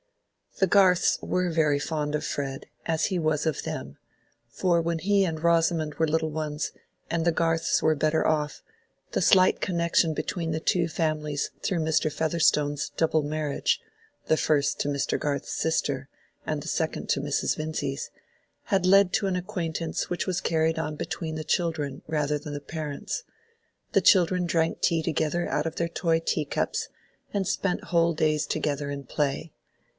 The Garths were very fond of Fred, as he was of them; for when he and Rosamond were little ones, and the Garths were better off, the slight connection between the two families through Mr. Featherstone's double marriage (the first to Mr. Garth's sister, and the second to Mrs. Vincy's) had led to an acquaintance which was carried on between the children rather than the parents: the children drank tea together out of their toy teacups, and spent whole days together in play.